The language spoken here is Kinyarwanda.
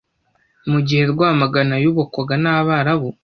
mu gihe Rwamagana yubakwaga n’Abarabu